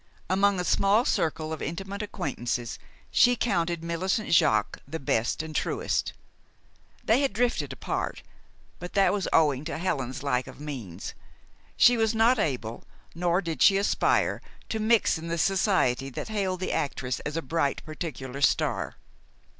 Among a small circle of intimate acquaintances she counted Millicent Jaques the best and truest. They had drifted apart; but that was owing to Helen's lack of means. She was not able, nor did she aspire, to mix in the society that hailed the actress as a bright particular star.